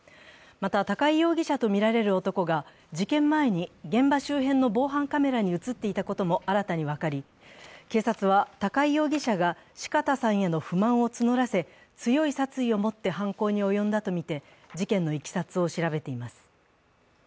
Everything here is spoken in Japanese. また、高井容疑者とみられる男が事件前に現場周辺の防犯カメラに映っていたことも新たに分かり、警察は、高井容疑者が四方さんへの不満を募らせ強い殺意を持って犯行に及んだとみて事件のいきさつを調べています。